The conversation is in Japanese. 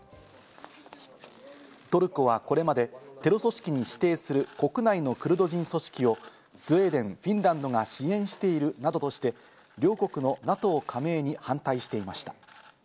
トルコはこれまでテロ組織に指定する国内のクルド人組織をスウェーデン、フィンランドが支援しているなどとして、両国のＮＡＴＯ加盟に反対していました。